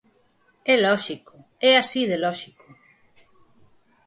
É lóxico, é así de lóxico.